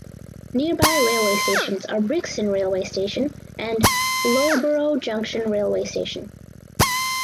Nearby railway stations are Brixton railway station and Loughborough Junction railway station.